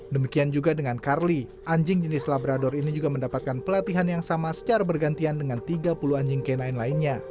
demikian juga dengan carly anjing jenis labrador ini juga mendapatkan pelatihan yang sama secara bergantian dengan tiga puluh anjing k sembilan lainnya